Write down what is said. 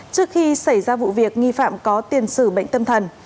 trước khi xảy ra vụ việc nghi phạm có tiền sử bệnh tâm thần